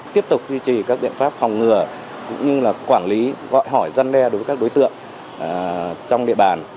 tiếp tục duy trì các biện pháp phòng ngừa cũng như là quản lý gọi hỏi dân đe đối với các đối tượng trong địa bàn